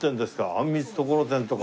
あんみつところてんとか。